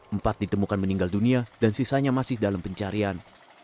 empat ditemukan meninggal dunia dan sisanya masih dalam pencarian